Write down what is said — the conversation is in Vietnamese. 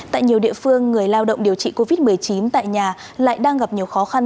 tại nhiều địa phương người lao động điều trị covid một mươi chín tại nhà lại đang gặp nhiều khó khăn